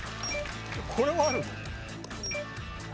これはある？